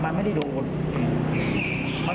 มันไม่ได้ดู